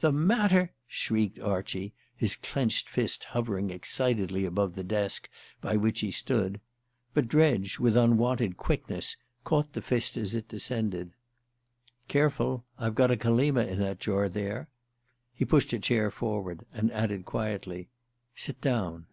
"The matter?" shrieked Archie, his clenched fist hovering excitedly above the desk by which he stood; but Dredge, with unwonted quickness, caught the fist as it descended. "Careful I've got a Kallima in that jar there." He pushed a chair forward, and added quietly: "Sit down."